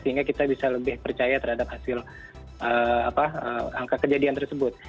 sehingga kita bisa lebih percaya terhadap hasil angka kejadian tersebut